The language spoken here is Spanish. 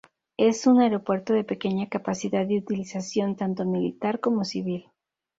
Es un aeropuerto de pequeña capacidad y utilización tanto militar como civil.